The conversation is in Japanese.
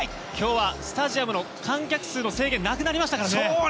今日はスタジアムの観客数の制限がなくなりましたからね！